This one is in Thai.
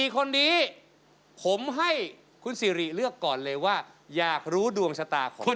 ๔คนนี้ผมให้คุณสิริเลือกก่อนเลยว่าอยากรู้ดวงชะตาของคุณ